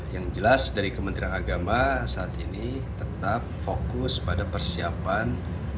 yang jelas dari kementerian agama saat ini tetap fokus pada persiapan